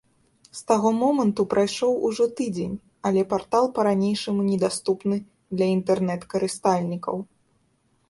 З таго моманту прайшоў ужо тыдзень, але партал па-ранейшаму недаступны для інтэрнэт-карыстальнікаў.